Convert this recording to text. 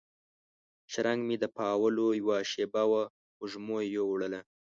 شرنګ مې د پاولو یوه شیبه وه وږمو یووړله